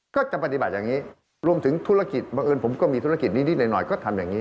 ก็จะปฏิบัติอย่างนี้รวมถึงธุรกิจบังเอิญผมก็มีธุรกิจนิดหน่อยก็ทำอย่างนี้